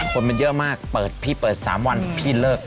คนมันเยอะมากเปิดพี่เปิด๓วันพี่เลิก